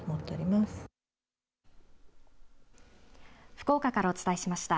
福岡からお伝えしました。